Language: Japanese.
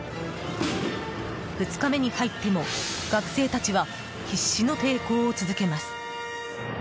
２日目に入っても学生たちは必死の抵抗を続けます。